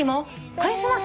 クリスマス。